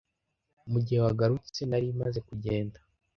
Mugihe wagarutse, nari maze kugenda.